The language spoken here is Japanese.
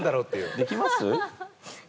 できます？